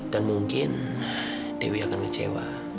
dan mungkin dewi akan ngecewa